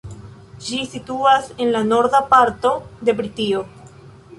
Ĝi situas en la norda parto de Britio.